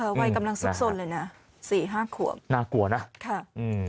วัยกำลังสุดสนเลยนะ๔๕ขวบน่ากลัวนะค่ะอืม